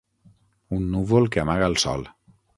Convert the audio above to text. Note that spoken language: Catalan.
Un núvol que amaga el sol.